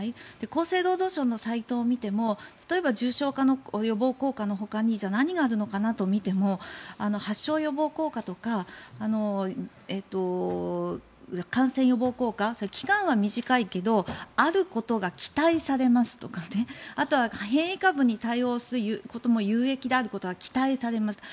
厚生労働省のサイトを見ても例えば重症化の予防効果のほかに何があるのかなと見ても発症予防効果とか感染予防効果、期間は短いけどあることが期待されますとかあとは変異株に対応することも有益であることは期待されますと。